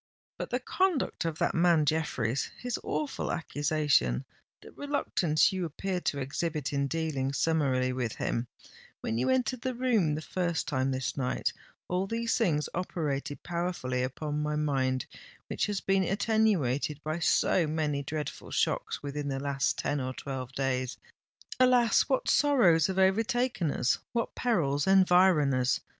But the conduct of that man Jeffreys—his awful accusation—the reluctance you appeared to exhibit in dealing summarily with him, when you entered the room the first time this night,—all these things operated powerfully upon my mind, which has been attenuated by so many dreadful shocks within the last ten or twelve days! Alas! what sorrows have overtaken us—what perils environ us!